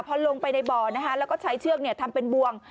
พอลงไปในบ่อนะคะแล้วก็ใช้เชือกทำเป็นบวง